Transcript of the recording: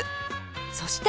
そして